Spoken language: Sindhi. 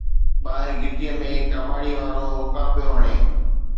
ٻاهر گھٽيءَ ۾ ڪاٻاڙي وارو هوڪا پيو هڻي